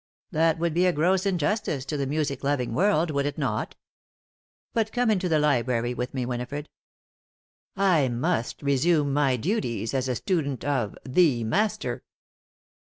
That would be a gross injustice to the music loving world, would it not? But come into the library with me, Winifred. I must resume my studies as a student of 'the master.